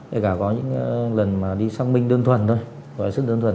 thế cả có những lần mà đi xăng minh đơn thuần thôi